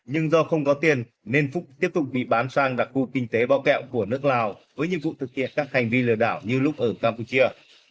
nhưng do không có tiền nên phúc tiếp tục bị bán sang đặc khu kinh tế bao kẹo của nước lào với nhiệm vụ thực hiện các hành vi lừa đảo như lúc ở campuchia